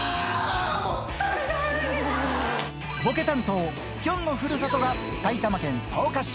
ボケ担当、きょんのふるさとが、埼玉県草加市。